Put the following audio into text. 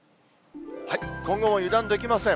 今後も油断できません。